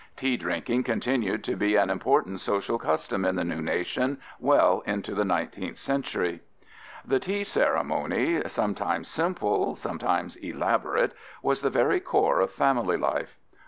Tea drinking continued to be an important social custom in the new nation well into the 19th century. The tea ceremony, sometimes simple, sometimes elaborate, was the very core of family life.